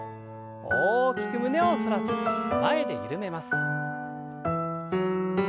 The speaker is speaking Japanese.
大きく胸を反らせて前で緩めます。